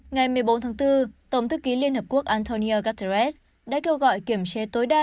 ngày một mươi bốn tháng bốn tổng thư ký liên hợp quốc antonio guterres đã kêu gọi kiềm chế tối đa